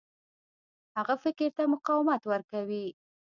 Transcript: هغه فکر ته مقاومت ورکوي.